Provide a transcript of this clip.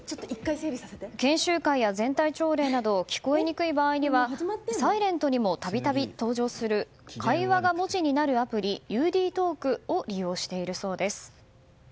研修会や全体朝礼など聞こえにくい場合には「ｓｉｌｅｎｔ」にも度々登場する会話が文字になるアプリＵＤトークを利用しているそうです。